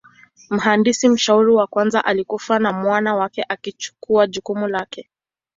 Mhandisi mshauri wa kwanza alikufa na mwana wake alichukua jukumu lake.